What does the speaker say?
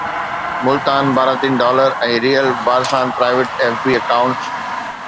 ملتان باراتين dollar ۽ real بارسان private F B accounts